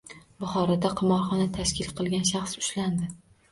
Buxoroda qimorxona tashkil qilgan shaxs ushlandi